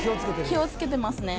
気をつけてますね。